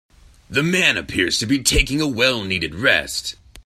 The man appears to be taking a well needed rest.